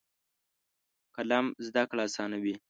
قلم زده کړه اسانوي.